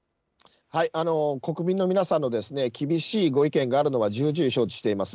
国民の皆さんの厳しいご意見があるのは重々承知しています。